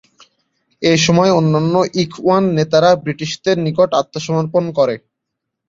এসময় অন্যান্য ইখওয়ান নেতারা ব্রিটিশদের নিকট আত্মসমর্পণ করে।